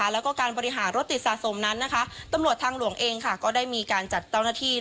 แล้วก็การบริหารรถติดสะสมนั้นตำรวจทางหลวงเองก็ได้มีการจัดเจ้าหน้าที่